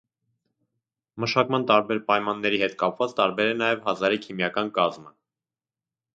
Մշակման տարբեր պայմանների հետ կապված տարբեր է նաև հազարի քիմիական կազմը։